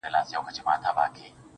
گراني دې ځاى كي دغه كار وچاته څه وركوي.